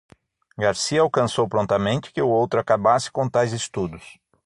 Garcia alcançou prontamente que o outro acabasse com tais estudos.